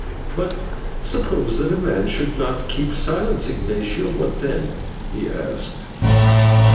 "But suppose that a man should not keep silence, Ignatio, what then?" he asked.